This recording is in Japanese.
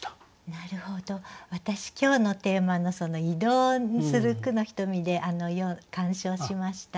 なるほど私今日のテーマの「移動する『句のひとみ』」で鑑賞しました。